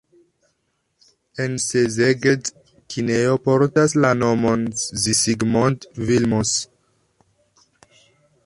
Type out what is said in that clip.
En Szeged kinejo portas la nomon Zsigmond Vilmos.